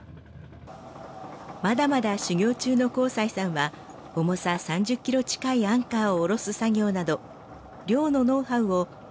まだまだ修業中の幸才さんは重さ３０キロ近いアンカーを下ろす作業など漁のノウハウを親方から学びます。